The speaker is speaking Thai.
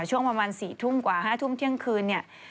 ช่วงประมาณ๔ทุ่มกว่า๕ทุ่มเที่ยงคืนเนี่ย